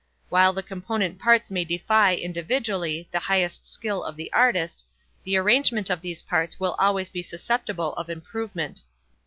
While the component parts may defy, individually, the highest skill of the artist, the arrangement of these parts will always be susceptible of improvement.